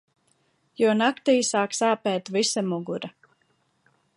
Jo naktī sāk sāpēt visa mugura.